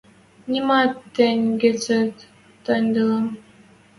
Нимамат тӹнь гӹцет тайыделам...